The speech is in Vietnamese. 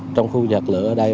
trong khu giặc lửa ở đây